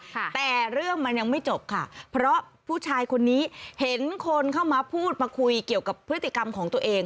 แต่เรื่องมันยังไม่จบค่ะเพราะผู้ชายคนนี้เห็นคนเข้ามาพูดมาคุยเกี่ยวกับพฤติกรรมของตัวเอง